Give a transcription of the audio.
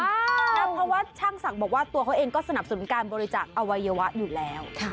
เพราะว่าช่างศักดิ์บอกว่าตัวเขาเองก็สนับสนุนการบริจาคอวัยวะอยู่แล้ว